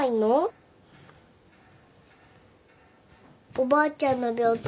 おばあちゃんの病気